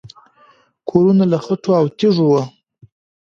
کورونه له خټو او تیږو وو